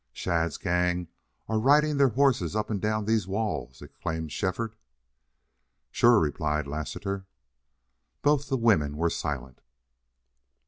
"Shadd's gang are riding their horses up and down these walls!" exclaimed Shefford. "Shore," replied Lassiter. Both the women were silent.